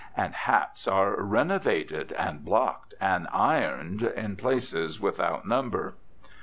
And hats are "renovated," and "blocked," and "ironed," in places without number.